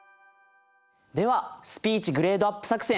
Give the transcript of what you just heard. ではスピーチグレードアップ作戦